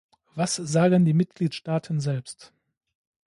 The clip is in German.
Was sagen die Mitgliedstaaten selbst?